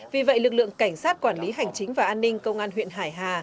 vì vậy lực lượng cảnh sát quản lý hành chính và an ninh công an huyện hải hà